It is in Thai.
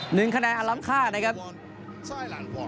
หนึ่งคะแนนอารัมท์ค่านะครับ